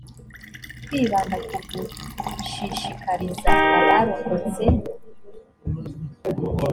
kwibanda ku gushishikariza abarokotse